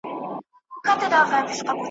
غلامان دي خپل بادار ته ډېروه یې !.